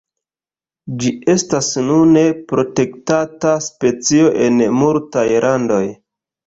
Ĝi estas nune protektata specio en multaj landoj.